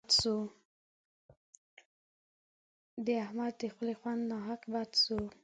د احمد د خولې خوند ناحق بد سو.